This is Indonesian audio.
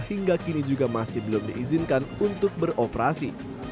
hingga kini juga masih belum diizinkan untuk beroperasi